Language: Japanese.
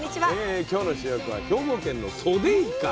今日の主役は「兵庫県のソデイカ」。